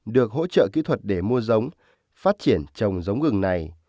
được hỗ trợ kỹ thuật để mua giống phát triển trồng giống gừng này